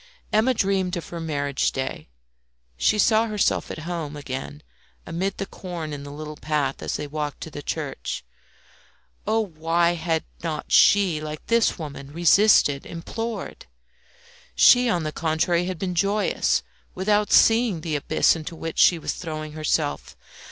Emma dreamed of her marriage day; she saw herself at home again amid the corn in the little path as they walked to the church. Oh, why had not she, like this woman, resisted, implored? She, on the contrary, had been joyous, without seeing the abyss into which she was throwing herself.